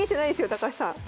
高橋さん。